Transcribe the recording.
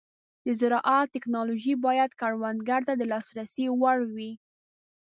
د زراعت ټيکنالوژي باید کروندګرو ته د لاسرسي وړ وي.